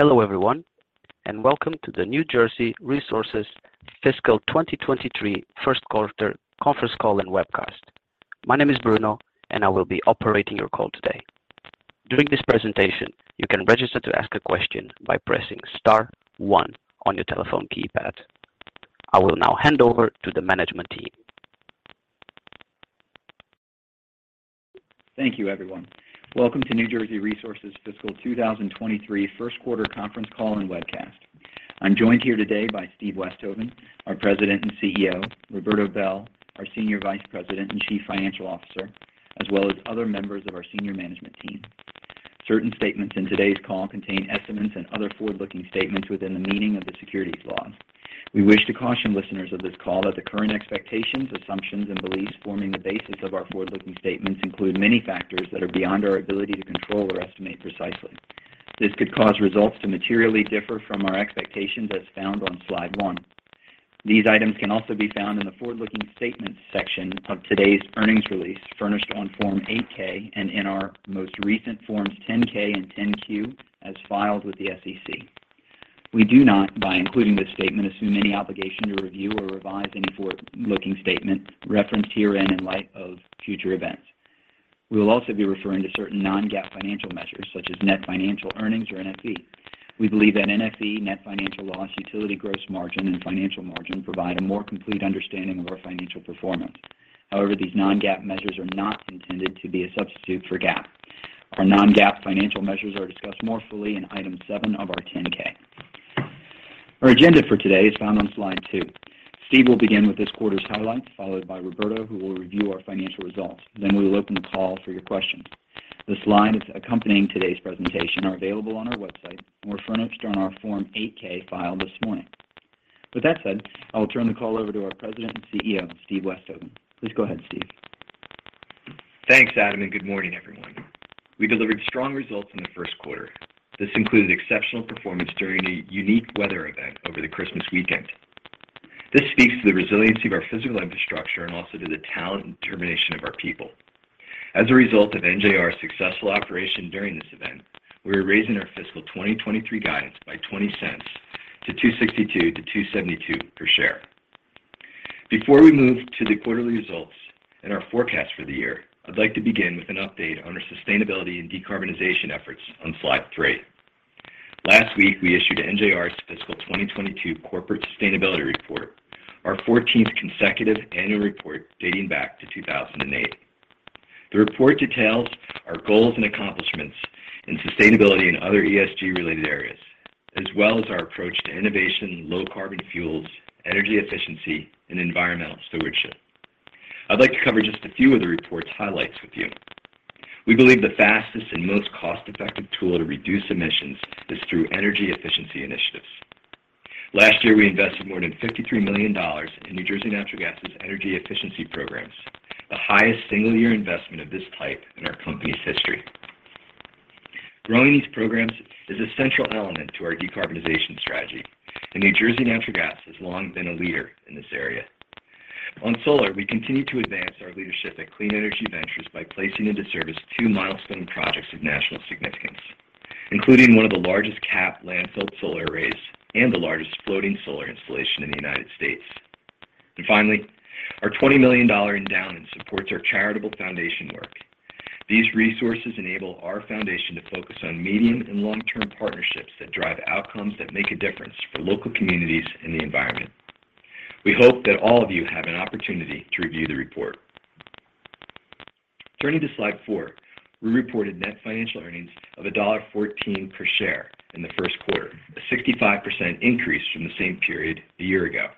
Hello everyone, welcome to the New Jersey Resources Fiscal 2023 first quarter conference call and webcast. My name is Bruno, and I will be operating your call today. During this presentation, you can register to ask a question by pressing star one on your telephone keypad. I will now hand over to the management team. Thank you, everyone. Welcome to New Jersey Resources Fiscal 2023 first quarter conference call and webcast. I'm joined here today by Stephen Westhoven, our President and CEO; Roberto Bel, our Senior Vice President and Chief Financial Officer, as well as other members of our senior management team. Certain statements in today's call contain estimates and other forward-looking statements within the meaning of the securities laws. We wish to caution listeners of this call that the current expectations, assumptions, and beliefs forming the basis of our forward-looking statements include many factors that are beyond our ability to control or estimate precisely. This could cause results to materially differ from our expectations as found on slide 1. These items can also be found in the forward-looking statements section of today's earnings release, furnished on Form 8-K and in our most recent Forms 10-K and 10-Q, as filed with the SEC. We do not, by including this statement, assume any obligation to review or revise any forward-looking statement referenced herein in light of future events. We will also be referring to certain non-GAAP financial measures such as net financial earnings or NFE. We believe that NFE, net financial loss, utility gross margin, and financial margin provide a more complete understanding of our financial performance. However, these non-GAAP measures are not intended to be a substitute for GAAP. Our non-GAAP financial measures are discussed more fully in Item 7 of our 10-K. Our agenda for today is found on slide 2. Steve will begin with this quarter's highlights, followed by Roberto, who will review our financial results. We will open the call for your questions. The slides accompanying today's presentation are available on our website and were furnished on our Form 8-K filed this morning. With that said, I will turn the call over to our President and CEO, Steve Westhoven. Please go ahead, Steve. Thanks, Adam. Good morning, everyone. We delivered strong results in the first quarter. This included exceptional performance during a unique weather event over the Christmas weekend. This speaks to the resiliency of our physical infrastructure and also to the talent and determination of our people. As a result of NJR's successful operation during this event, we are raising our fiscal 2023 guidance by $0.20 to $2.62-$2.72 per share. Before we move to the quarterly results and our forecast for the year, I'd like to begin with an update on our sustainability and decarbonization efforts on slide 3. Last week, we issued NJR's fiscal 2022 corporate sustainability report, our 14th consecutive annual report dating back to 2008. The report details our goals and accomplishments in sustainability and other ESG related areas, as well as our approach to innovation, low carbon fuels, energy efficiency, and environmental stewardship. I'd like to cover just a few of the report's highlights with you. We believe the fastest and most cost-effective tool to reduce emissions is through energy efficiency initiatives. Last year, we invested more than $53 million in New Jersey Natural Gas' energy efficiency programs, the highest single year investment of this type in our company's history. Growing these programs is a central element to our decarbonization strategy, and New Jersey Natural Gas has long been a leader in this area. On solar, we continue to advance our leadership at Clean Energy Ventures by placing into service 2 milestone projects of national significance, including one of the largest capped landfill solar arrays and the largest floating solar installation in the United States. Finally, our $20 million endowment supports our charitable foundation work. These resources enable our foundation to focus on medium and long-term partnerships that drive outcomes that make a difference for local communities and the environment. We hope that all of you have an opportunity to review the report. Turning to slide 4. We reported net financial earnings of $1.14 per share in the first quarter, a 65% increase from the same period a year ago.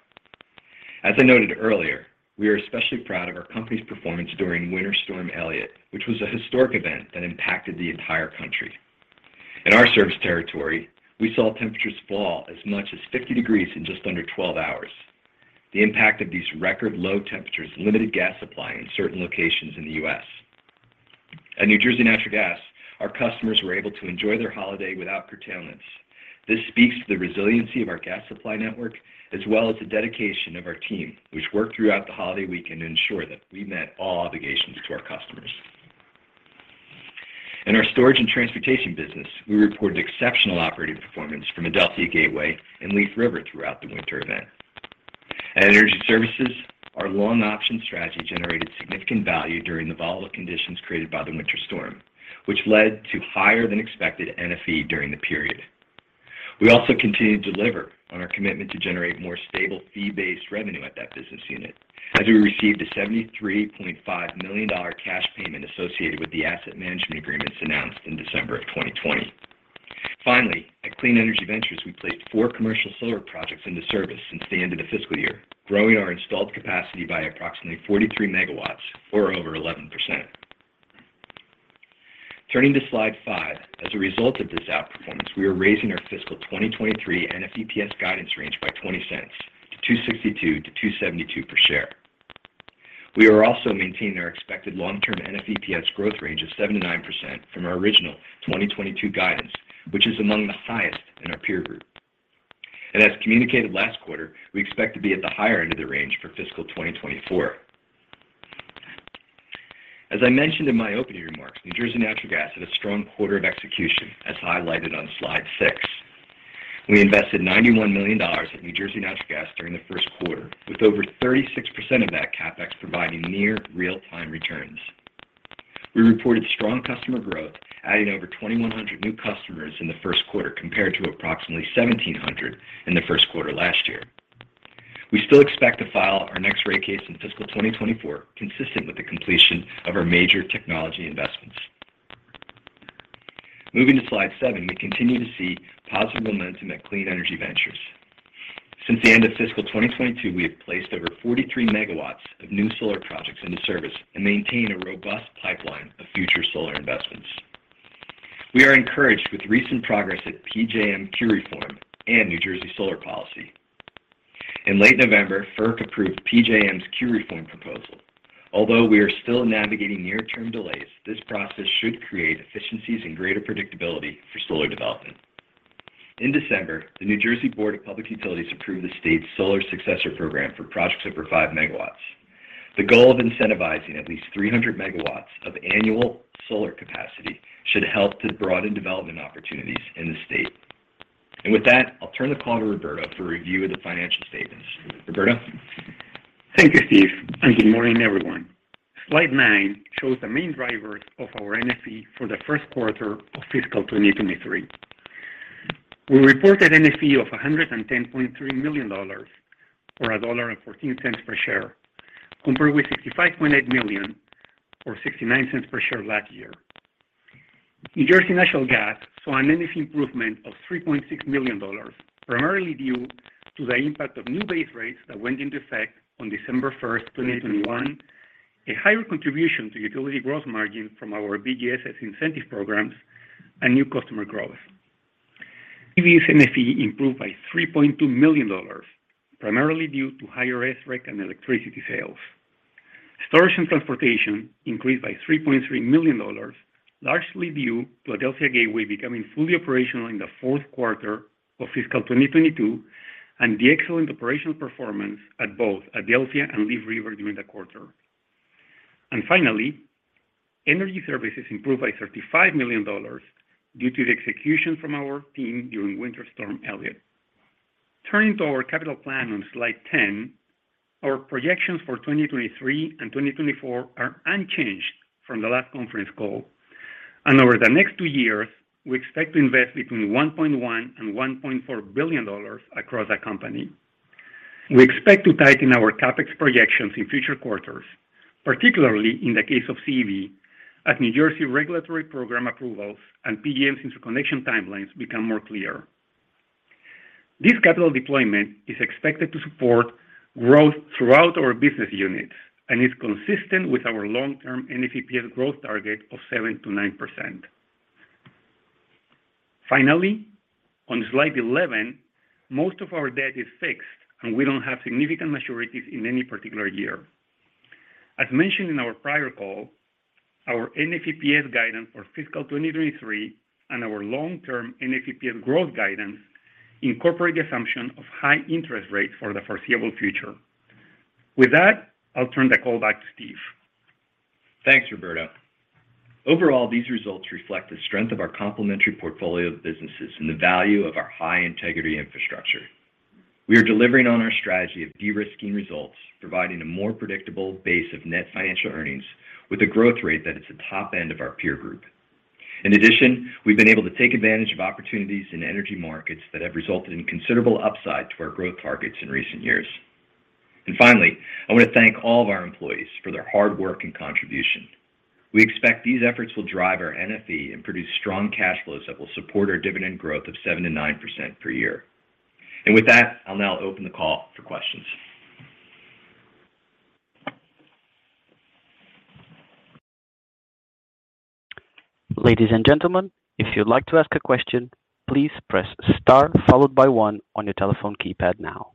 As I noted earlier, we are especially proud of our company's performance during Winter Storm Elliott, which was a historic event that impacted the entire country. In our service territory, we saw temperatures fall as much as 50 degrees in just under 12 hours. The impact of these record low temperatures limited gas supply in certain locations in the U.S. At New Jersey Natural Gas, our customers were able to enjoy their holiday without curtailments. This speaks to the resiliency of our gas supply network, as well as the dedication of our team, which worked throughout the holiday weekend to ensure that we met all obligations to our customers. In our storage and transportation business, we reported exceptional operating performance from Adelphia Gateway and Leaf River throughout the winter event. At NJR Energy Services, our long option strategy generated significant value during the volatile conditions created by the winter storm, which led to higher than expected NFE during the period. We also continue to deliver on our commitment to generate more stable fee-based revenue at that business unit as we received a $73.5 million cash payment associated with the asset management agreements announced in December 2020. Finally, at Clean Energy Ventures, we placed 4 commercial solar projects into service since the end of the fiscal year, growing our installed capacity by approximately 43 megawatts or over 11%. Turning to slide 5. As a result of this outperformance, we are raising our fiscal 2023 NFEPS guidance range by $0.20 to $2.62-$2.72 per share. We are also maintaining our expected long-term NFEPS growth range of 7%-9% from our original 2022 guidance, which is among the highest in our peer group. As communicated last quarter, we expect to be at the higher end of the range for fiscal 2024. As I mentioned in my opening remarks, New Jersey Natural Gas had a strong quarter of execution, as highlighted on slide 6. We invested $91 million at New Jersey Natural Gas during the first quarter, with over 36% of that CapEx providing near real-time returns. We reported strong customer growth, adding over 2,100 new customers in the first quarter compared to approximately 1,700 in the first quarter last year. We still expect to file our next rate case in fiscal 2024, consistent with the completion of our major technology investments. Moving to slide 7, we continue to see positive momentum at Clean Energy Ventures. Since the end of fiscal 2022, we have placed over 43 megawatts of new solar projects into service and maintain a robust pipeline of future solar investments. We are encouraged with recent progress at PJM queue reform and New Jersey Solar Policy. In late November, FERC approved PJM's queue reform proposal. Although we are still navigating near-term delays, this process should create efficiencies and greater predictability for solar development. In December, the New Jersey Board of Public Utilities approved the state's solar successor program for projects over 5 megawatts. The goal of incentivizing at least 300 megawatts of annual solar capacity should help to broaden development opportunities in the state. With that, I'll turn the call to Roberto for a review of the financial statements. Roberto. Thank you, Steve, and good morning, everyone. Slide 9 shows the main drivers of our NFE for the 1st quarter of fiscal 2023. We reported NFE of $110.3 million, or $1.14 per share, compared with $65.8 million, or $0.69 per share last year. New Jersey Natural Gas saw an NFE improvement of $3.6 million, primarily due to the impact of new base rates that went into effect on December 1, 2021, a higher contribution to utility gross margin from our BGSS incentive programs, and new customer growth. CEV's NFE improved by $3.2 million, primarily due to higher SREC and electricity sales. Storage and transportation increased by $3.3 million, largely due to Adelphia Gateway becoming fully operational in the fourth quarter of fiscal 2022 and the excellent operational performance at both Adelphia and Leaf River during the quarter. Finally, energy services improved by $35 million due to the execution from our team during Winter Storm Elliott. Turning to our capital plan on slide 10, our projections for 2023 and 2024 are unchanged from the last conference call. Over the next two years, we expect to invest between $1.1 billion and $1.4 billion across the company. We expect to tighten our CapEx projections in future quarters, particularly in the case of CEV, as New Jersey regulatory program approvals and PJM's interconnection timelines become more clear. This capital deployment is expected to support growth throughout our business units and is consistent with our long-term NFEPS growth target of 7% to 9%. On slide 11, most of our debt is fixed, and we don't have significant maturities in any particular year. As mentioned in our prior call, our NFEPS guidance for fiscal 2023 and our long-term NFEPS growth guidance incorporate the assumption of high interest rates for the foreseeable future. With that, I'll turn the call back to Steve. Thanks, Roberto. Overall, these results reflect the strength of our complementary portfolio of businesses and the value of our high integrity infrastructure. We are delivering on our strategy of de-risking results, providing a more predictable base of net financial earnings with a growth rate that is the top end of our peer group. We've been able to take advantage of opportunities in energy markets that have resulted in considerable upside to our growth targets in recent years. Finally, I want to thank all of our employees for their hard work and contribution. We expect these efforts will drive our NFE and produce strong cash flows that will support our dividend growth of 7% to 9% per year. With that, I'll now open the call for questions. Ladies and gentlemen, if you'd like to ask a question, please press star followed by one on your telephone keypad now.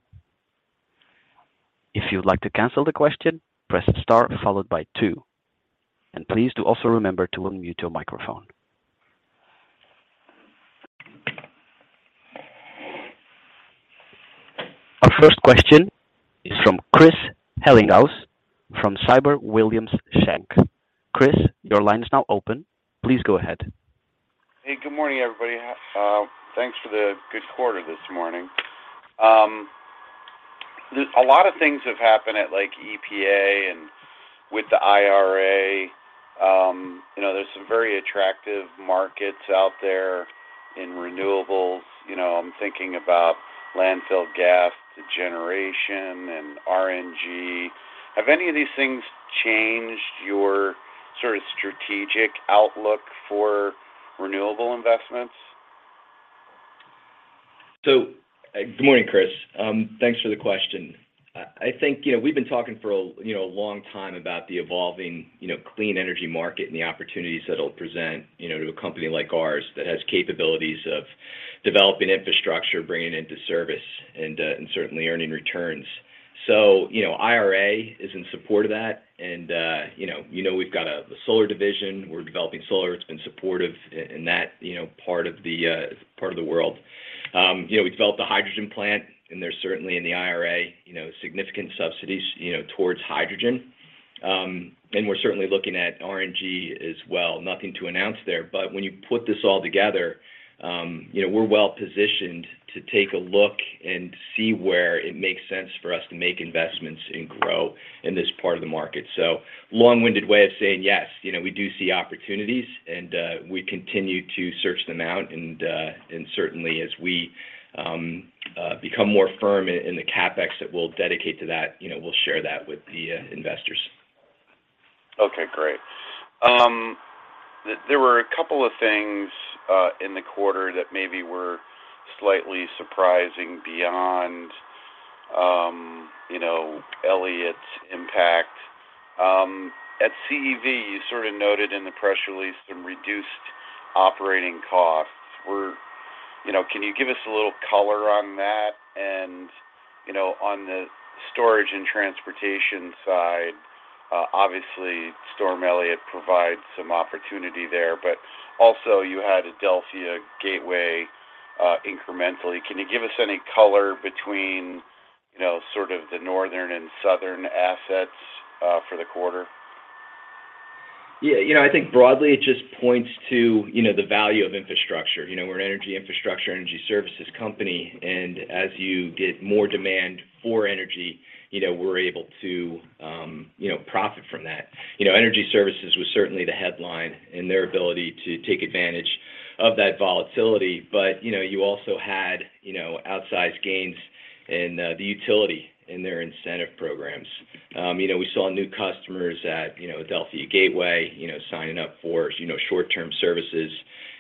If you'd like to cancel the question, press star followed by two, and please do also remember to unmute your microphone. Our first question is from Christopher Ellinghaus from Siebert Williams Shank. Chris, your line is now open. Please go ahead. Good morning, everybody. Thanks for the good quarter this morning. A lot of things have happened at, like, EPA and with the IRA. There's some very attractive markets out there in renewables. I'm thinking about landfill gas generation and RNG. Have any of these things changed your strategic outlook for renewable investments? Good morning, Chris. Thanks for the question. I think we've been talking for a long time about the evolving clean energy market and the opportunities that it'll present to a company like ours that has capabilities of developing infrastructure, bringing into service, and certainly earning returns. IRA is in support of that and we've got a solar division. We're developing solar. It's been supportive in that part of the world. We developed the hydrogen plant, and there's certainly in the IRA significant subsidies towards hydrogen. And we're certainly looking at RNG as well. Nothing to announce there, but when you put this all together we're well-positioned to take a look and see where it makes sense for us to make investments and grow in this part of the market. Long-winded way of saying yes, we do see opportunities, and we continue to search them out. And certainly as we become more firm in the CapEx that we'll dedicate to that we'll share that with the investors. Okay, great. There were a couple of things in the quarter that maybe were slightly surprising beyond Winter Storm Elliott's impact. At CEV, you noted in the press release some reduced operating costs. Can you give us a little color on that? On the storage and transportation side, obviously, Winter Storm Elliott provided some opportunity there, but also you had Adelphia Gateway incrementally. Can you give us any color between the northern and southern assets for the quarter? Yeah. It just points to the value of infrastructure. We're an energy infrastructure, energy services company, and as you get more demand for energy we're able to profit from that. Energy services was certainly the headline in their ability to take advantage of that volatility. You also had outsized gains in the utility in their incentive programs. We saw new customers a Adelphia Gateway signing up for short-term services.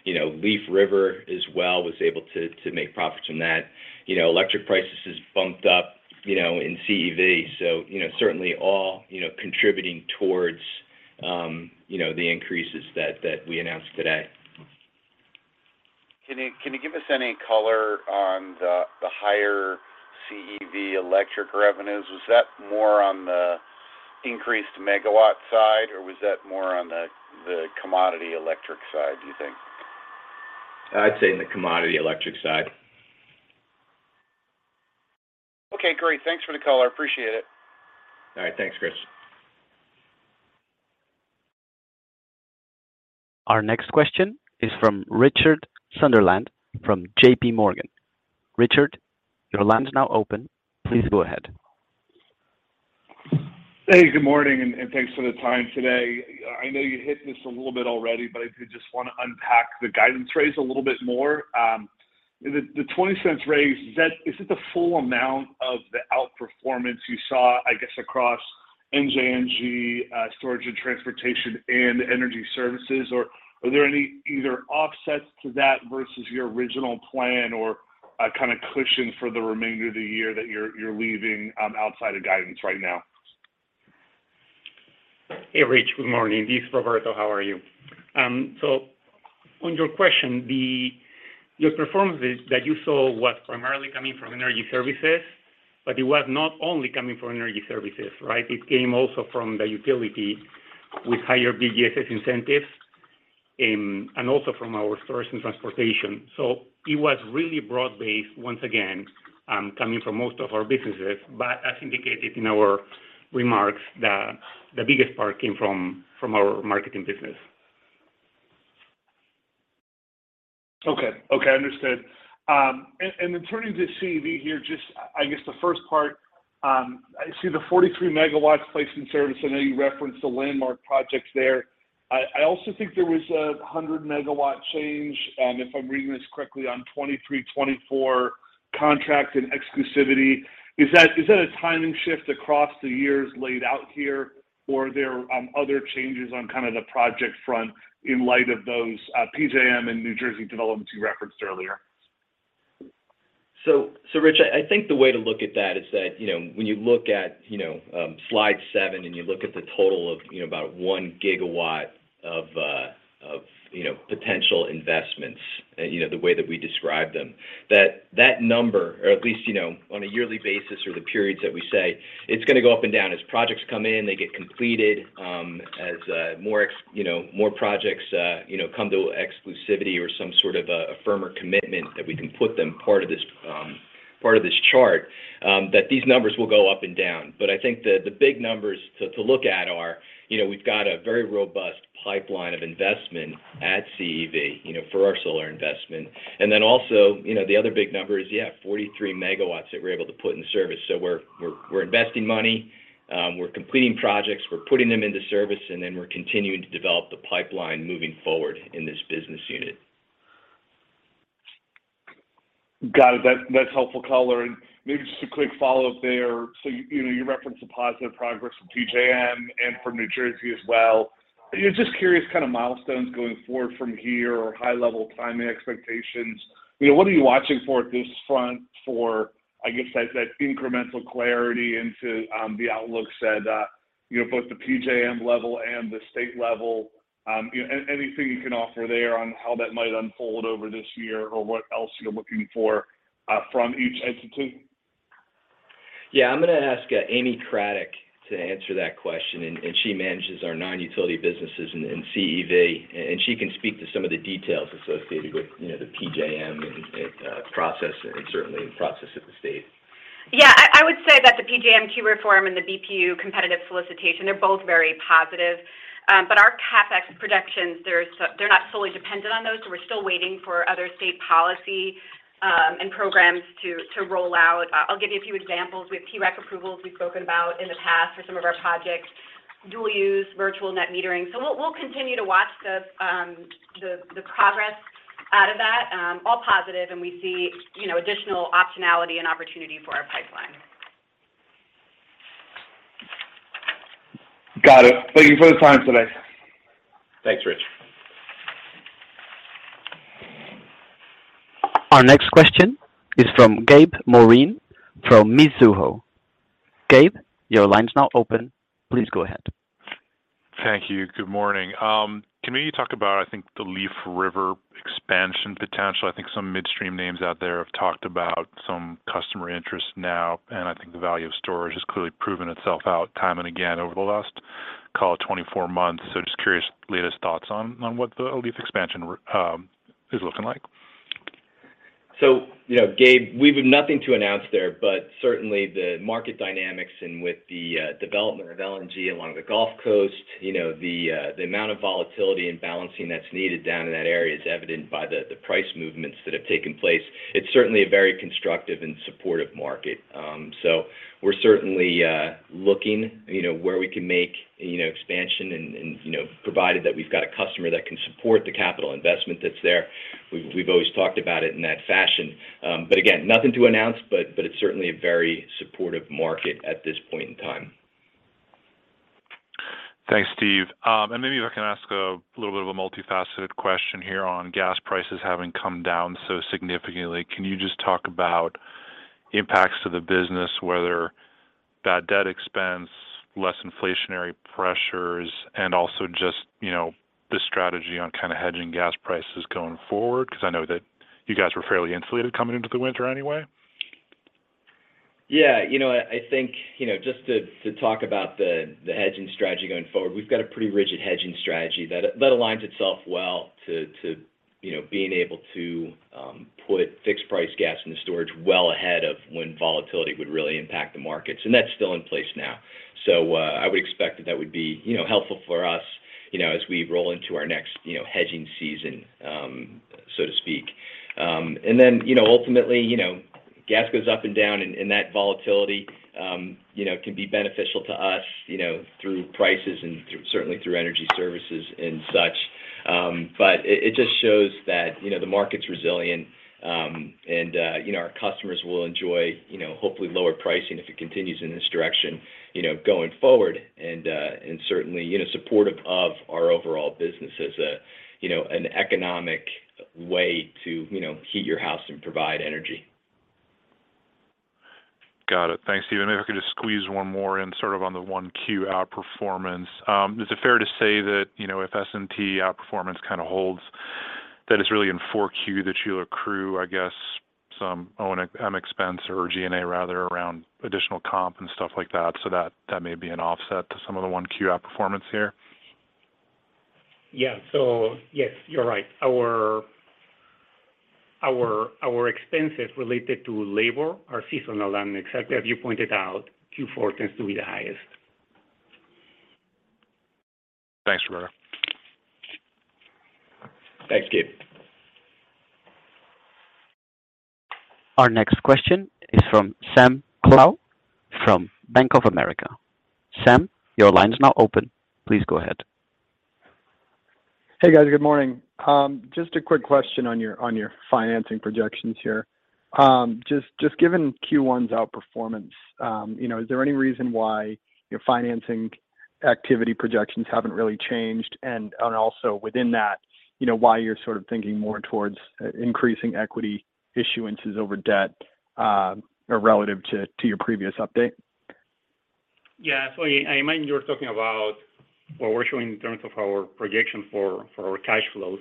Leaf River as well was able to make profits from that. Electric prices have bumped up in CEV. Certainly all contributing towards the increases that we announced today. Can you give us any color on the higher CEV electric revenues? Was that more on the increased megawatt side, or was that more on the commodity electric side, do you think? I'd say in the commodity electric side. Okay, great. Thanks for the color. I appreciate it. All right. Thanks, Chris. Our next question is from Richard Sunderland from J.P. Morgan. Richard, your line is now open. Please go ahead. Good morning, and thanks for the time today. I know you hit this a little bit already, but I did just want to unpack the guidance raise a little bit more. The, the $0.20 raise, is it the full amount of the outperformance you saw across NJR, storage and transportation and Energy Services? Are there any either offsets to that versus your original plan or a cushion for the remainder of the year that you're leaving, outside of guidance right now? Hey, Rich. Good morning. This is Roberto. How are you? On your question, the performances that you saw was primarily coming from Energy Services, but it was not only coming from Energy Services. It came also from the Utility with higher BGSS incentives, and also from our storage and transportation. It was really broad-based, once again, coming from most of our businesses. As indicated in our remarks, the biggest part came from our marketing business. Okay, understood. Then turning to CEV here, just the first part, I see the 43 megawatts placed in service. I know you referenced the landmark projects there. I also think there was a 100-megawatt change, if I'm reading this correctly, on 2023, 2024 contract and exclusivity. Is that a timing shift across the years laid out here? Or are there other changes on the project front in light of those PJM and New Jersey developments you referenced earlier? Rich, I think the way to look at that is that when you look at slide 7, and you look at the total of about one gigawatt of potential investments, and the way that we describe them, that number, or at least on a yearly basis or the periods that we say, it's gonna go up and down. As projects come in, they get completed. As more projects come to exclusivity or some sort of a firmer commitment that we can put them part of this, part of this chart, that these numbers will go up and down. I think the big numbers to look at are we've got a very robust pipeline of investment at CEV for our solar investment. Also, the other big number is, yeah, 43 megawatts that we're able to put in service. We're investing money. We're completing projects. We're putting them into service, and then we're continuing to develop the pipeline moving forward in this business unit. Got it. That's helpful color. Maybe just a quick follow-up there. You referenced the positive progress from PJM and from New Jersey as well. Just curious milestones going forward from here or high-level timing expectations. What are you watching for at this front for that incremental clarity into the outlook set both the PJM level and the state level? Anything you can offer there on how that might unfold over this year or what else you're looking for from each entity? Yeah. I'm gonna ask Amy Cradic to answer that question. She manages our non-utility businesses in CEV, and she can speak to some of the details associated with the PJM process and, certainly in process at the state. I would say that the PJM reform and the BPU competitive solicitation, they're both very positive. Our CapEx projections, they're not solely dependent on those. We're still waiting for other state policy and programs to roll out. I'll give you a few examples. We have PRAC approvals we've spoken about in the past for some of our projects, dual-use, virtual net metering. We'll continue to watch the progress out of that, all positive, and we see additional optionality and opportunity for our pipeline. Got it. Thank you for the time today. Thanks, Rich. Our next question is from Gabe Moreen from Mizuho. Gabe, your line is now open. Please go ahead. Thank you. Good morning. Can we talk about, I think, the Leaf River expansion potential? I think some midstream names out there have talked about some customer interest now, and I think the value of storage has clearly proven itself out time and again over the last, call it 24 months. Just curious, latest thoughts on what the Leaf expansion is looking like. Gabe, we've nothing to announce there, but certainly the market dynamics and with the development of LNG along the Gulf Coast the amount of volatility and balancing that's needed down in that area is evident by the price movements that have taken place. It's certainly a very constructive and supportive market. We're certainly looking where we can make expansion and provided that we've got a customer that can support the capital investment that's there. We've always talked about it in that fashion, but again, nothing to announce, but it's certainly a very supportive market at this point in time. Thanks, Steve. Maybe if I can ask a little bit of a multifaceted question here on gas prices having come down so significantly. Can you just talk about impacts to the business, whether bad debt expense, less inflationary pressures, and also just the strategy on hedging gas prices going forward? Because I know that you guys were fairly insulated coming into the winter anyway? Yeah. You know what? I think just to talk about the hedging strategy going forward, we've got a pretty rigid hedging strategy that aligns itself well to being able to put fixed price gas into storage well ahead of when volatility would really impact the markets. That's still in place now. I would expect that that would be helpful for us as we roll into our next hedging season, so to speak. Then ultimately gas goes up and down and that volatility can be beneficial to us through prices and certainly through energy services and such. It just shows that the market's resilient, and our customers will enjoy hopefully lower pricing if it continues in this direction going forward. Certainly supportive of our overall business as an economic way to heat your house and provide energy. Got it. Thanks, Steve. If I could just squeeze 1 more in on the 1Q outperformance. Is it fair to say that if S&T outperformance holds, that it's really in 4Q that you'll accrue some O&M expense or G&A rather around additional comp and stuff like that, so that may be an offset to some of the 1Q outperformance here? Yes, you're right. Our expenses related to labor are seasonal and exactly as you pointed out, Q4 tends to be the highest. Thanks, Roberto. Thanks, Gabe. Our next question is from Sam Margolin from Bank of America. Sam, your line is now open. Please go ahead. Hey, guys. Good morning. Just a quick question on your, on your financing projections here. Just given Q1's outperformance is there any reason why your financing activity projections haven't really changed? Also within that why you're thinking more towards increasing equity issuances over debt, or relative to your previous update? I imagine you're talking about what we're showing in terms of our projection for our cash flows.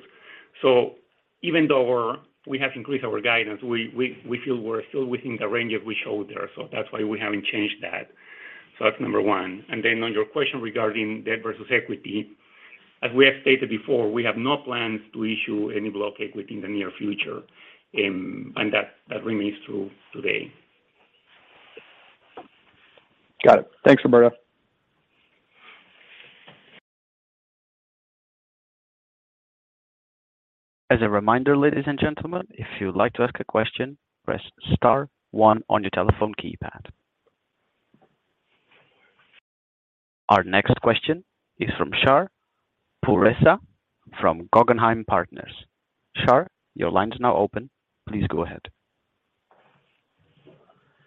Even though we have increased our guidance, we feel we're still within the range that we showed there. That's why we haven't changed that. That's number one. Then on your question regarding debt versus equity, as we have stated before, we have no plans to issue any block equity in the near future, and that remains true today. Got it. Thanks, Roberto. As a reminder, ladies and gentlemen, if you'd like to ask a question, press star one on your telephone keypad. Our next question is from Shar Pourreza from Guggenheim Partners. Shar, your line is now open. Please go ahead.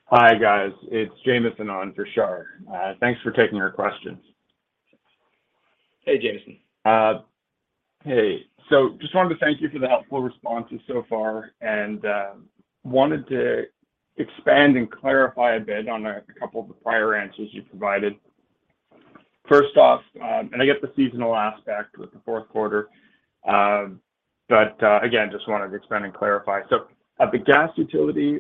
Hi, guys. It's Jamieson on for Shar. Thanks for taking our questions. Hey, Jamieson. Just wanted to thank you for the helpful responses so far and wanted to expand and clarify a bit on a couple of the prior answers you provided. First off, I get the seasonal aspect with the fourth quarter, but again, just wanted to expand and clarify. At the gas utility,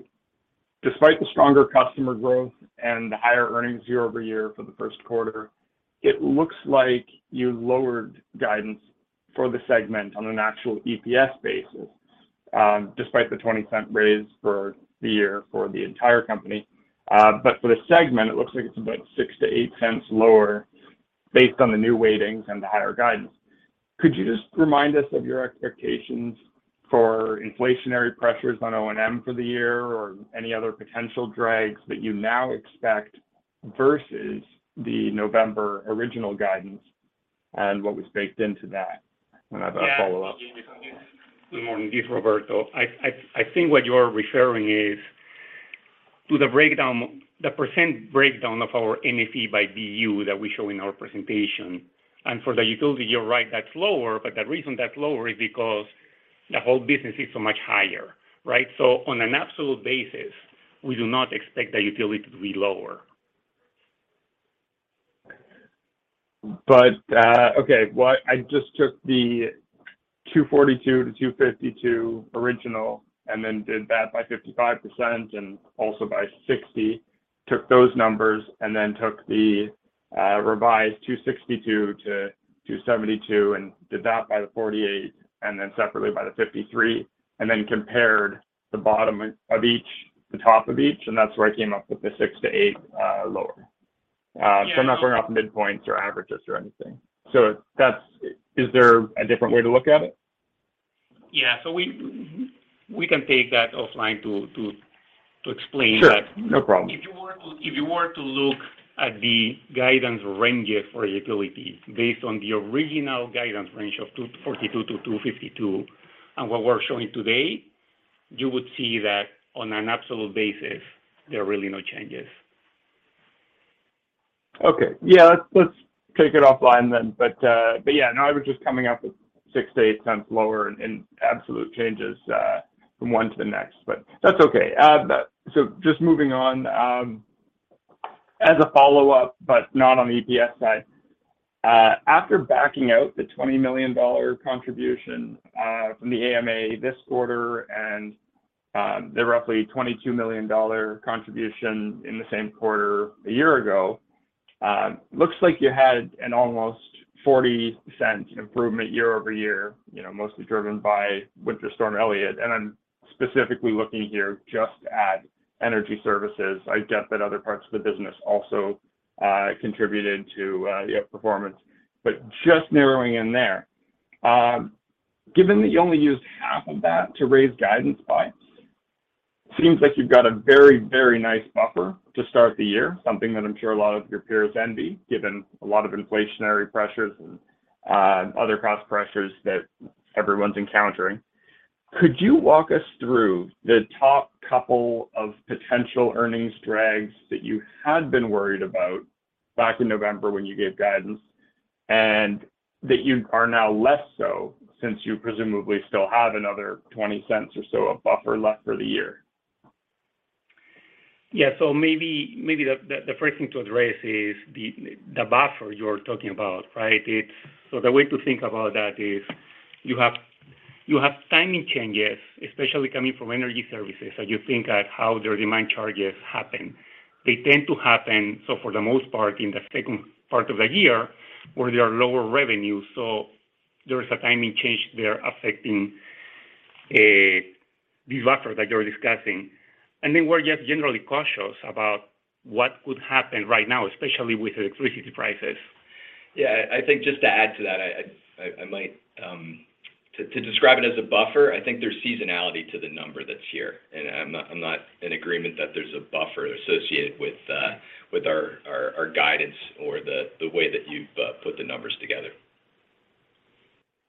despite the stronger customer growth and the higher earnings year-over-year for the first quarter. It looks like you lowered guidance for the segment on an actual EPS basis, despite the $0.20 raise for the year for the entire company. But for the segment, it looks like it's about $0.06-$0.08 lower based on the new weightings and the higher guidance. Could you just remind us of your expectations for inflationary pressures on O&M for the year or any other potential drags that you now expect versus the November original guidance and what was baked into that? I've a follow-up. Yeah. Good morning. It's Roberto. I think what you're referring is to the breakdown, the % breakdown of our NFE by BU that we show in our presentation. For the utility, you're right, that's lower. The reason that's lower is because the whole business is so much higher. On an absolute basis, we do not expect the utility to be lower. Okay. I just took the 242-252 original and then did that by 55% and also by 60, took those numbers, and then took the revised 262-272 and did that by the 48 and then separately by the 53, and then compared the bottom of each, the top of each, and that's where I came up with the 6-8 lower. I'm not throwing off midpoints or averages or anything. That's. Is there a different way to look at it? Yeah. We can take that offline to explain that. Sure. No problem. If you were to look at the guidance ranges for utilities based on the original guidance range of $2.42-$2.52 and what we're showing today, you would see that on an absolute basis, there are really no changes. Okay. Yeah. Let's take it offline then. Yeah. No, I was just coming up with $0.06-$0.08 lower in absolute changes from one to the next. That's okay. Just moving on, as a follow-up, not on the EPS side. After backing out the $20 million contribution from the AMA this quarter and the roughly $22 million contribution in the same quarter a year ago, looks like you had an almost $0.40 improvement year-over-year. Mostly driven by Winter Storm Elliott. I'm specifically looking here just at Energy Services. I get that other parts of the business also contributed to the performance, just narrowing in there. Given that you only used half of that to raise guidance by, seems like you've got a very, very nice buffer to start the year, something that I'm sure a lot of your peers envy, given a lot of inflationary pressures and other cost pressures that everyone's encountering. Could you walk us through the top couple of potential earnings drags that you had been worried about back in November when you gave guidance and that you are now less so since you presumably still have another $0.20 or so of buffer left for the year? Yeah. Maybe the first thing to address is the buffer you're talking about. The way to think about that is you have timing changes, especially coming from energy services, as you think at how their demand charges happen. They tend to happen, so for the most part, in the second part of the year where there are lower revenues. There is a timing change there affecting these buffers that you're discussing. We're just generally cautious about what could happen right now, especially with electricity prices. Yeah. I think just to add to that, I might to describe it as a buffer, I think there's seasonality to the number that's here, and I'm not in agreement that there's a buffer associated with our guidance or the way that you've put the numbers together.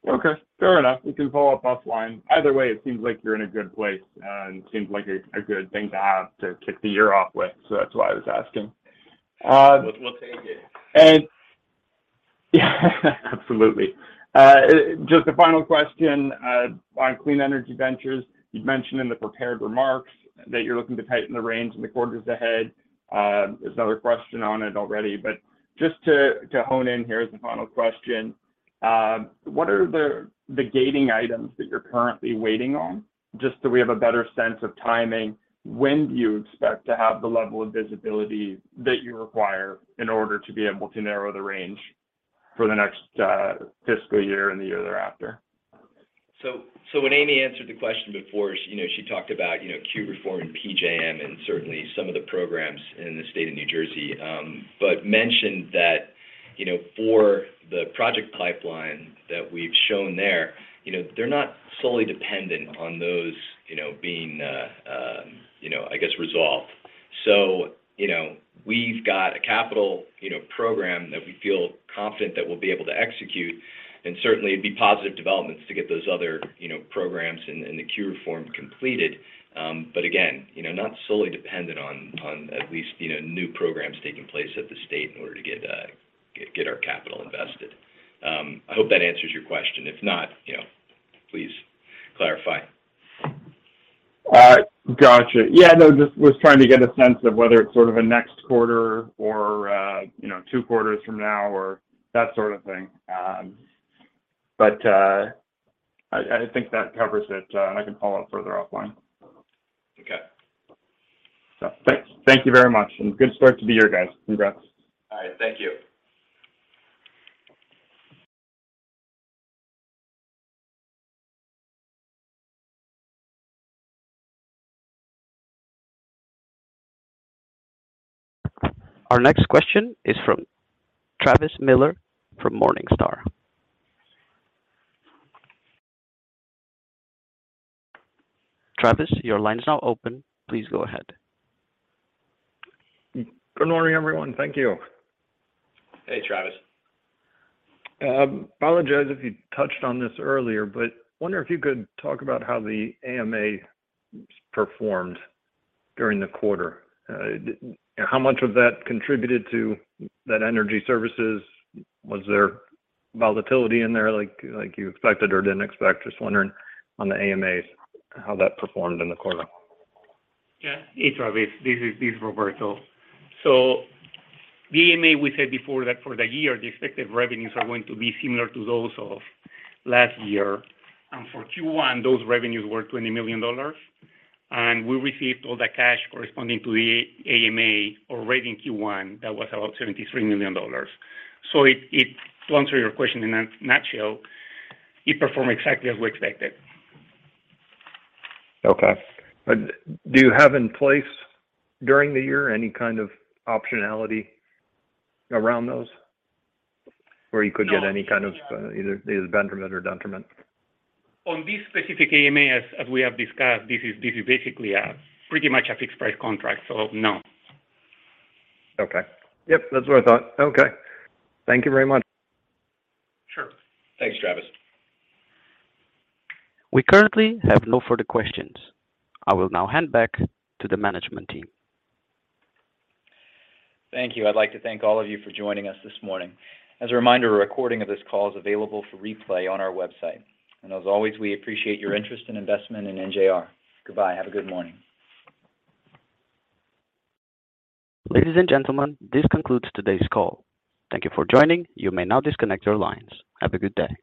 Okay. Fair enough. We can follow up offline. Either way, it seems like you're in a good place, and it seems like a good thing to have to kick the year off with. That's why I was asking. We'll take it. Yeah. Absolutely, just a final question on Clean Energy Ventures. You've mentioned in the prepared remarks that you're looking to tighten the reins in the quarters ahead. There's another question on it already, but just to hone in here as a final question, what are the gating items that you're currently waiting on? Just so we have a better sense of timing, when do you expect to have the level of visibility that you require in order to be able to narrow the range for the next fiscal year and the year thereafter? When Amy answered the question before she talked about queue reform and PJM and certainly some of the programs in the state of New Jersey, but mentioned that for the project pipeline that we've shown there they're not solely dependent on those being resolved. We've got a capital program that we feel confident that we'll be able to execute, and certainly it'd be positive developments to get those other programs and the queue reform completed. But again, not solely dependent on at least new programs taking place at the state in order to get our capital invested. I hope that answers your question. If not please clarify. Gotcha. Yeah, no, just was trying to get a sense of whether it's a next quarter or two quarters from now or that thing. I think that covers it, and I can follow up further offline. Okay. Thanks. Thank you very much, and good start to the year, guys. Congrats. All right. Thank you. Our next question is from Travis Miller from Morningstar. Travis, your line is now open. Please go ahead. Good morning, everyone. Thank you. Hey, Travis. Apologize if you touched on this earlier, wonder if you could talk about how the AMA performed during the quarter. How much of that contributed to that energy services? Was there volatility in there, like you expected or didn't expect? Just wondering on the AMAs, how that performed in the quarter. Yeah. Hey, Travis, this is Roberto. The AMA, we said before that for the year the expected revenues are going to be similar to those of last year. For Q1, those revenues were $20 million. We received all the cash corresponding to the AMA originating in Q1. That was about $73 million. To answer your question, in a nutshell, it performed exactly as we expected. Okay. Do you have in place during the year any optionality around those where you could get any kind of, either betterment or detriment? On this specific AMA, as we have discussed, this is basically a pretty much a fixed price contract. No. Okay. Yep, that's what I thought. Okay. Thank you very much. Sure. Thanks, Travis. We currently have no further questions. I will now hand back to the management team. Thank you. I'd like to thank all of you for joining us this morning. As a reminder, a recording of this call is available for replay on our website. As always, we appreciate your interest and investment in NJR. Goodbye. Have a good morning. Ladies and gentlemen, this concludes today's call. Thank you for joining. You may now disconnect your lines. Have a good day.